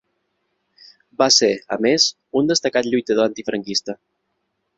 Va ser, a més, un destacat lluitador antifranquista.